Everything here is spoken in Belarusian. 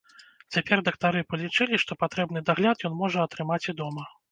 Цяпер дактары палічылі, што патрэбны дагляд ён можа атрымаць і дома.